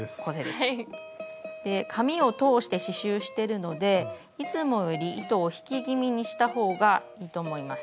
紙を通して刺しゅうしてるのでいつもより糸を引き気味にしたほうがいいと思います。